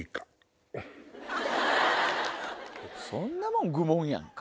そんなもん愚問やんか。